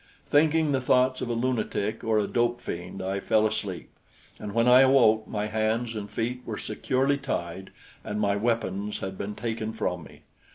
Thinking the thoughts of a lunatic or a dope fiend, I fell asleep; and when I awoke, my hands and feet were securely tied and my weapons had been taken from me.